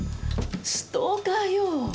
ストーカーよ。